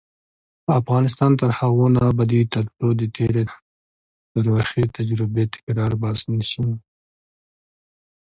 افغانستان تر هغو نه ابادیږي، ترڅو د تېرې تروخې تجربې تکرار بس نه شي.